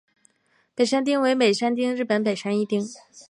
山北町为新舄县最北端面向日本海的一町。